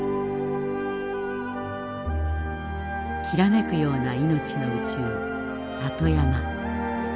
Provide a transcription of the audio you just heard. きらめくような命の宇宙里山。